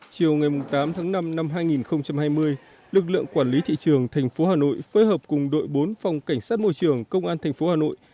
chiều ngày tám tháng năm năm hai nghìn hai mươi lực lượng quản lý thị trường thành phố hà nội phối hợp cùng đội bốn phòng cảnh sát môi trường công an thành phố hà nội